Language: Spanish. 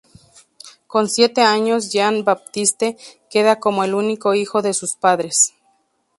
Con siete años Jean-Baptiste queda como el único hijo de sus padres.